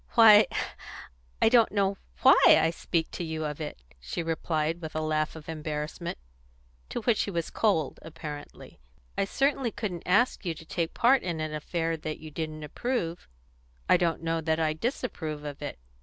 "Why, I don't know why I speak to you of it," she replied with a laugh of embarrassment, to which he was cold, apparently. "I certainly couldn't ask you to take part in an affair that you didn't approve." "I don't know that I disapprove of it.